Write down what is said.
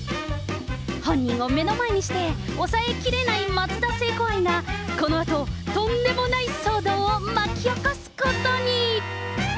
本人を目の前にして、抑えきれない松田聖子愛がこのあと、とんでもない騒動を巻き起こすことに。